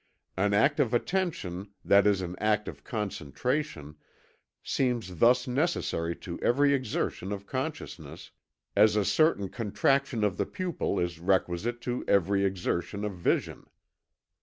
An act of attention, that is an act of concentration, seems thus necessary to every exertion of consciousness, as a certain contraction of the pupil is requisite to every exertion of vision.